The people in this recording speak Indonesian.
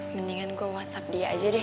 mendingan gue whatsapp dia aja deh